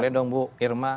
boleh dong bu irma